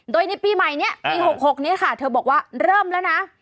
โดยในปีใหม่นี้ปี๖๖นี้ค่ะเธอบอกว่าเริ่มแล้วนะ